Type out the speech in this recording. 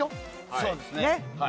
そうですねはい。